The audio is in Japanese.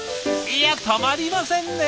いやたまりませんね。